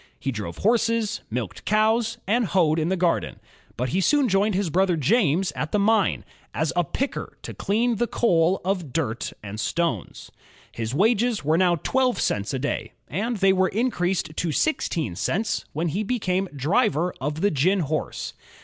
He drove horses, milked cows, and hoed in the garden. But he soon joined his brother James at the mine, as a "picker'' to dean the coal of dirt and stones. 52 INVENTIONS OF STEAM AND ELECTRIC POWER His wages were now twelve cents a day, and they were increased to sixteen cents when he became driver of the gin horse.